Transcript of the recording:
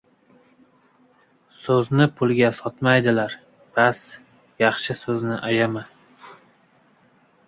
• So‘zni pulga sotmaydilar, bas, yaxshi so‘zni ayama.